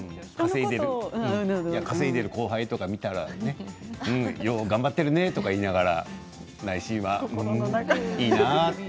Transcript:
稼いでいる後輩とか見たらねよう頑張ってるねと言いながら内心はうーん、いいなって。